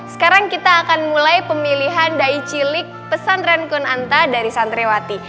sekarang kita akan mulai pemilihan da'i cilik pesantren kun anta dari santriwati